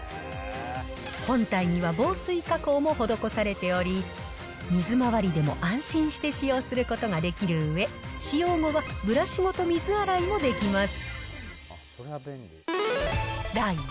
本体には防水加工も施されており、水回りでも安心して使用することができるうえ、使用後はブラシごと水洗いもできます。